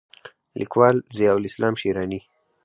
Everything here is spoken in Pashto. لیکوال: ضیاءالاسلام شېراني